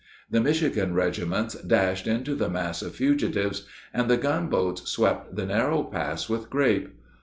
The Michigan regiments dashed into the mass of fugitives, and the gunboats swept the narrow pass with grape.